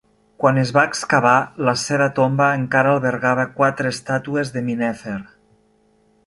Quan es va excavar, la seva tomba encara albergava quatre estàtues de Minnefer.